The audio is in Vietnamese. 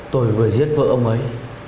tôi vừa giết vợ ông ấy